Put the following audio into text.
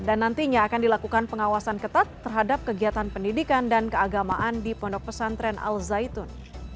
dan nantinya akan dilakukan pengawasan ketat terhadap kegiatan pendidikan dan keagamaan di pondok pesantren al zaitun